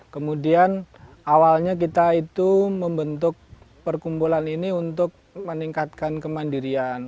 kemudian awalnya kita itu membentuk perkumpulan ini untuk meningkatkan kemandirian